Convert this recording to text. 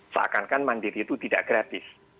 vaksin mandiri itu tidak gratis